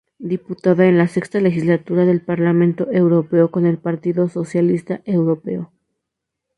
Diputada en la sexta legislatura del Parlamento Europeo con el Partido Socialista Europeo.